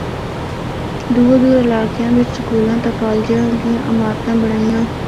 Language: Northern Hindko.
دور دور علاقیاں بچ سکولاں تے کالجاں دیاں عمارتاں بنڑائیاں۔